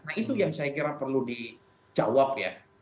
nah itu yang saya kira perlu dijawab ya